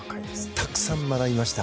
たくさん学びました。